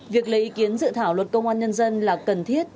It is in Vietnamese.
việc lấy ý kiến dự thảo luật công an nhân dân là cần thiết